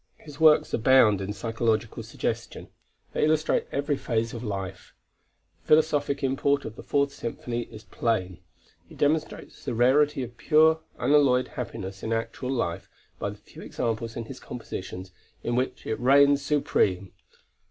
His works abound in psychological suggestion; they illustrate every phase of life. The philosophic import of the Fourth Symphony is plain. He demonstrates the rarity of pure unalloyed happiness in actual life by the few examples in his compositions in which it reigns supreme.